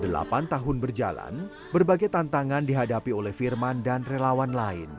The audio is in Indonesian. delapan tahun berjalan berbagai tantangan dihadapi oleh firman dan relawan lain